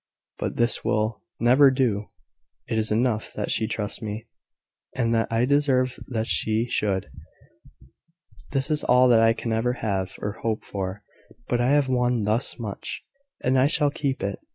But this will never do. It is enough that she trusts me, and that I deserve that she should. This is all that I can ever have or hope for; but I have won thus much; and I shall keep it.